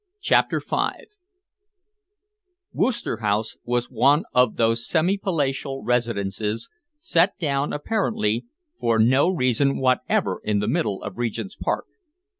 CHAPTER V Worcester House was one of those semi palatial residences set down apparently for no reason whatever in the middle of Regent's Park.